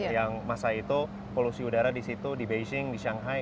yang masa itu polusi udara di situ di beijing di shanghai